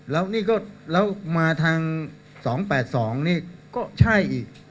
แล้วมาทาง๒๘๒นี่ก็ใช่อีก